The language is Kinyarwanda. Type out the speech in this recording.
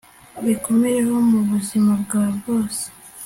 ubikomereho mu buzima bwawe bwose